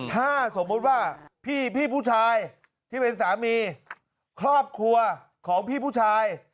ถ้าสมมุติว่าพี่ผู้ชายที่เป็นสามีครอบครัวของพี่ผู้ชาย